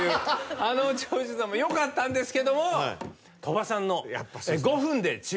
あの長州さんもよかったんですけど鳥羽さんの５分で中華街通り抜け。